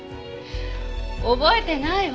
覚えてないわ。